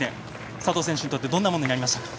佐藤選手にとってどんなものになりましたか？